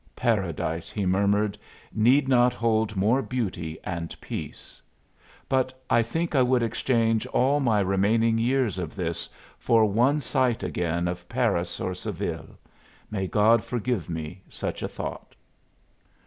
"Paradise," he murmured, "need not hold more beauty and peace. But I think I would exchange all my remaining years of this for one sight again of Paris or Seville. May God forgive me such a thought!"